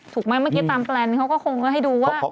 ถูกไหมเมื่อกี้ตามแปลนเขาก็คงก็ให้ดูว่า